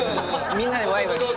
みんなでワイワイ。